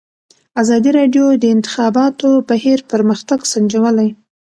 ازادي راډیو د د انتخاباتو بهیر پرمختګ سنجولی.